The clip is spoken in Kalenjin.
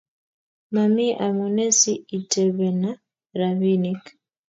Mami amune si itepena rapinik